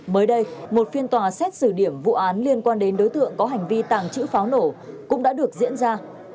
mới đây một phiên tòa xét xử điểm vụ án liên quan đến đối tượng có hành vi tàng trữ pháo nổ cũng đã được diễn ra